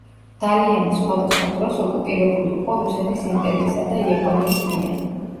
დალიანი სხვადასხვა დროს ოკუპირებული იყო რუსეთის იმპერიისა და იაპონიის მიერ.